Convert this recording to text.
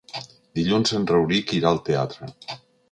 Dilluns en Rauric irà al teatre.